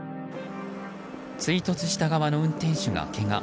追突した側の運転手がけが。